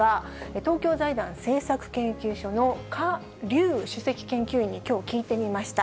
東京財団政策研究所の柯隆主席研究員にきょう、聞いてみました。